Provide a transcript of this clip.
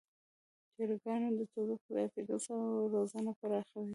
چرګان د تودوخې زیاتیدو سره وزرونه پراخوي.